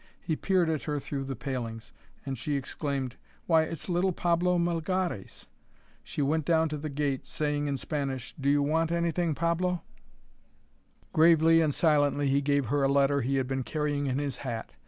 He peered at her through the palings, and she exclaimed, "Why, it's little Pablo Melgares!" She went down to the gate, saying in Spanish, "Do you want anything, Pablo?" Gravely and silently he gave her a letter he had been carrying in his hat.